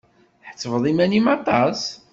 Tḥettbeḍ iman-im aṭas!